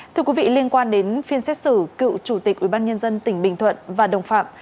thưa quý vị liên quan đến phiên xét xử cựu chủ tịch ubnd tỉnh bình thuận và đồng phạm